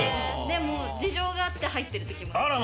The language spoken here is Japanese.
でも事情があって入ってるときもある。